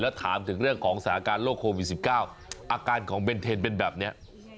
แล้วถามถึงเรื่องของสถานการณ์โควิด๑๙อาการของเบนเทนเป็นแบบนี้